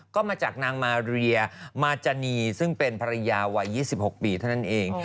ก็มาจากนางมาเรียมาจานีซึ่งเป็นภรรยาวัย๒๖ปีเท่านั้นเอง